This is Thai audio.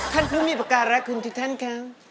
ท่านเพิ่งมีประการรักคุณที่ท่านเขา